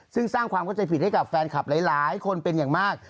ซึ่งสร้างความเข้าใจผิดให้กับแฟนคลับหลายคนเป็นอย่างมาก